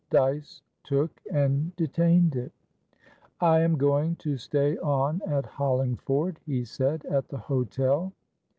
Dyce took and detained it. "I am going to stay on at Hollingford," he said, "at the hotel.